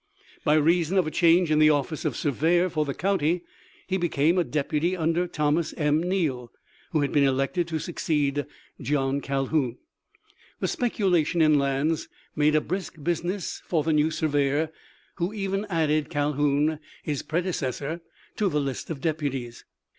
By reason of a change in the office of Surveyor for the county he became a deputy under Thomas M. Neale, who had been elected to succeed John Calhoun. The speculation in lands made a brisk business for the THE LIFE OF LINCOLN. 165 new surveyor, who even added Calhoun, his prede cessor, to the list of deputies.